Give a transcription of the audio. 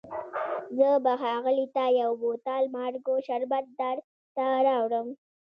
زه به ښاغلي ته یو بوتل مارګو شربت درته راوړم.